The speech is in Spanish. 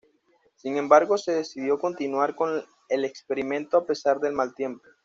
Sin embargo, se decidió continuar con el experimento a pesar del mal tiempo.